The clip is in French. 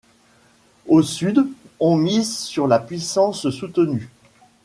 Au Sud, on mise sur la puissance soutenue.